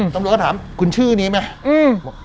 ตำรวจก็ถามคุณชื่อนี้ไหม